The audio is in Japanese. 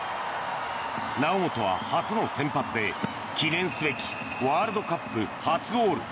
猶本は初の先発で、記念すべきワールドカップ初ゴール。